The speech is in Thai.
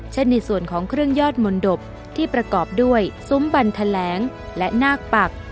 เช่นในส่วนของเครื่องยอดมนตบที่ประกอบด้วยซุ้มบันแถลงและนาคปัก